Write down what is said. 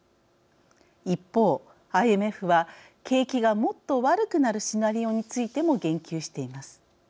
一方、ＩＭＦは景気がもっと悪くなるシナリオについても言及しています。